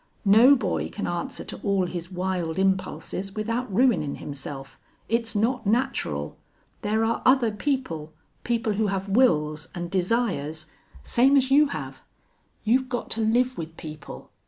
No boy can answer to all his wild impulses without ruinin' himself. It's not natural. There are other people people who have wills an' desires, same as you have. You've got to live with people.